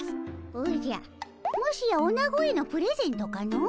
おじゃもしやおなごへのプレゼントかの？